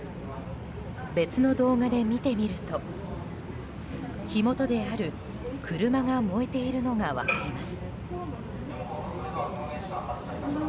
別の動画で見てみると火元である車が燃えているのが分かります。